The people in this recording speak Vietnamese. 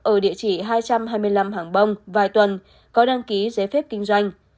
ở địa chỉ hai trăm hai mươi năm hàng bông vài tuần có đăng ký giấy phép kinh doanh